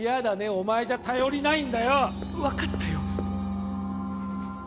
お前じゃ頼りないんだよ分かったよ